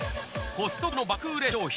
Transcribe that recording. コストコの爆売れ商品